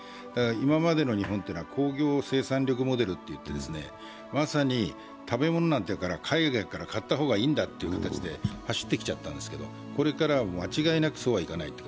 今までの日本というのは工業生産力モデルといって、まさに食べ物なんて海外から買った方がいいといった形で走ってきちゃったんですけど、これからは間違いなくそうはいかない。